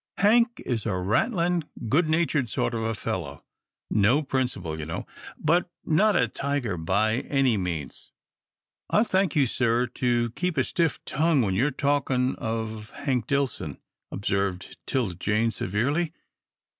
Hank is a rattling, good natured sort of a fellow. No principle, you know, but not a tiger by any means." "I'll thank you, sir, to keep a stiff tongue when you're talkin' of Hank Dillson," observed 'Tilda Jane, severely.